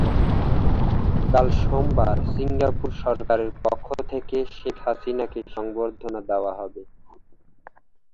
কাল সোমবার সিঙ্গাপুর সরকারের পক্ষ থেকে শেখ হাসিনাকে সংবর্ধনা দেওয়া হবে।